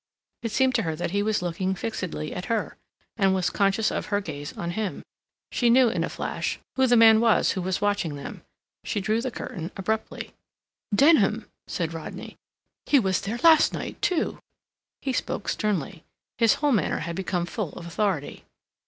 It seemed to her that he was looking fixedly at her, and was conscious of her gaze on him. She knew, in a flash, who the man was who was watching them. She drew the curtain abruptly. "Denham," said Rodney. "He was there last night too." He spoke sternly. His whole manner had become full of authority.